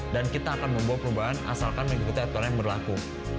dan kita akan membawa perubahan asalkan mengikuti aturan yang berlaku